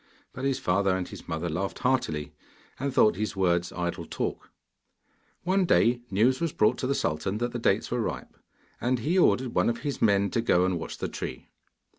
But his father and his mother laughed heartily, and thought his words idle talk. One day, news was brought to the sultan that the dates were ripe, and he ordered one of his men to go and watch the tree.